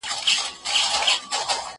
زه بايد مځکي ته وګورم!!